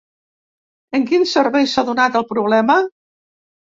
En quin servei s'ha donat el problema?